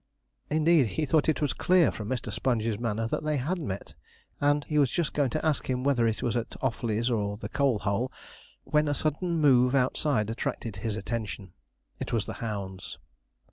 Indeed, he thought it was clear, from Mr. Sponge's manner, that they had met, and he was just going to ask him whether it was at Offley's or the Coal Hole, when a sudden move outside attracted his attention. It was the hounds.